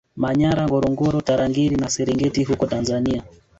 Manyara Ngorongoro Tarangire na Serengeti huko Tanzania